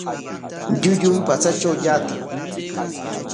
Llullum patsatraw llaatan.